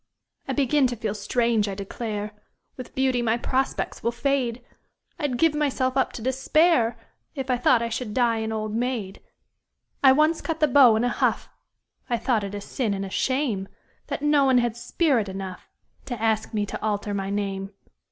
I begin to feel strange, I declare! With beauty my prospects will fade I'd give myself up to despair If I thought I should die an old maid! I once cut the beaux in a huff I thought it a sin and a shame That no one had spirit enough To ask me to alter my name.